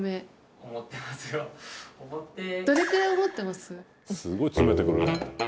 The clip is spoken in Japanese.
すごい詰めてくるね。